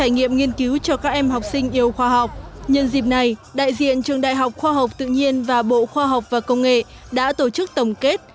nhân dịp này đại diện trường đại học khoa học tự nhiên và bộ khoa học và công nghệ đã tổ chức tổng kết